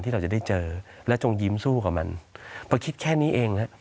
เราจะได้เจอและจงยิ้มสู้กับมันเพราะคิดแค่นี้เองฮะ